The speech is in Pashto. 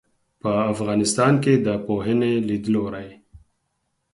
په افغانستان کې د پوهنې لیدلورى